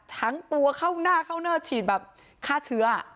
หังตัวเข้าหน้าข้าเชื้อ